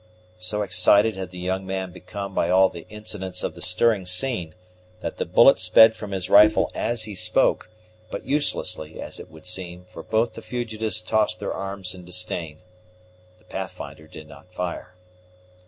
So excited had the young man become by all the incidents of the stirring scene, that the bullet sped from his rifle as he spoke, but uselessly, as it would seem, for both the fugitives tossed their arms in disdain. The Pathfinder did not fire.